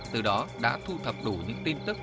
từ đó đã thu thập đủ những tin tức